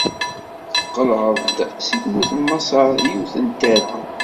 Tqelɛeḍ-d si tmurt n Maṣer yiwet n tara.